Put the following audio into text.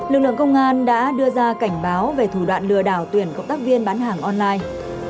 lực lượng công an đã đưa ra cảnh báo về thủ đoạn lừa đảo tuyển cộng tác viên bán hàng online